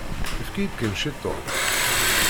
Efk-iyi-d kan ciṭuḥ.